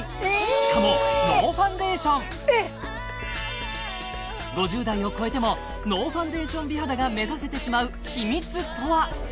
しかも５０代を超えてもノーファンデーション美肌が目指せてしまう秘密とは？